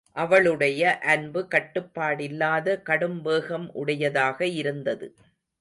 அவளுடைய அன்பு கட்டுப்பாடில்லாத கடும்வேகம் உடையதாக இருந்தது.